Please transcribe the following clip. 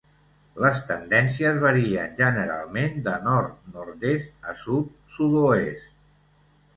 Les tendències varien generalment de nord/nord-est a sud/sud-oest.